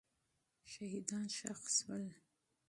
شهیدان ښخ سول.